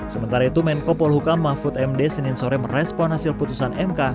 sementara itu menko polhukam mahfud md senin sore merespon hasil putusan mk